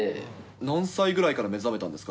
何歳ぐらいから目覚めたんですか？